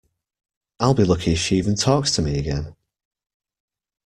I'll be lucky if she even talks to me again.